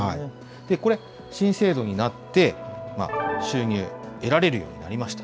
これ、新制度になって収入得られるようになりました。